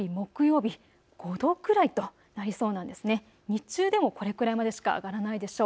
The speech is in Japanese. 日中でもこれくらいまでしか上がらないでしょう。